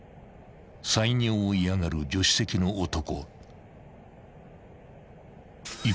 ［採尿を嫌がる助手席の男］